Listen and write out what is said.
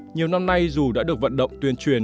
nhiều năm nay dù đã được vận động tuyên truyền